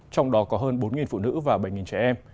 trong đó có hơn bốn phụ nữ và bảy trẻ em